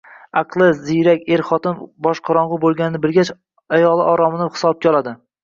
Aqlli, ziyrak er xotini boshqorong‘i bo‘lganini bilgach, ayoli oromini hisobga oladi.